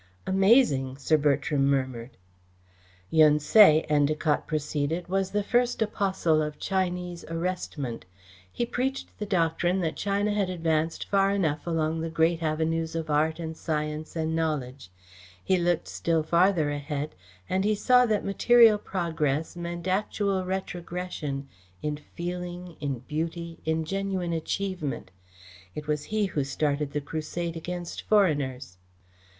"Amazing!" Sir Bertram murmured. "Yun Tse," Endacott proceeded, "was the first apostle of Chinese arrestment. He preached the doctrine that China had advanced far enough along the great avenues of art and science and knowledge. He looked still farther ahead and he saw that material progress meant actual retrogression in feeling, in beauty, in genuine achievement. It was he who started the crusade against foreigners."